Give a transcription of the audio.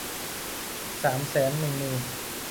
สามแสนหนึ่งหมื่น